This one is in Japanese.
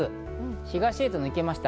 東へと抜けました。